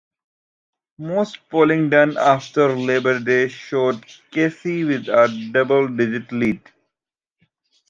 Most polling done after Labor Day showed Casey with a double-digit lead.